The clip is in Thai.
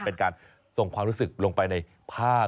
เป็นการส่งความรู้สึกลงไปในภาพ